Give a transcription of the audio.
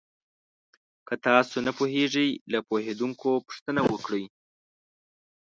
که تاسو نه پوهېږئ، له پوهېدونکو پوښتنه وکړئ.